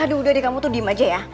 aduh udah deh kamu tuh diem aja ya